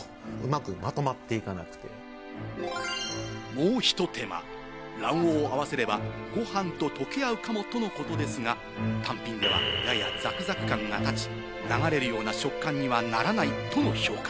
もうひと手間、卵黄を合わせればご飯と溶け合うかもとのことですが、単品ではややザクザク感が立ち、流れるような食感にはならないとの評価。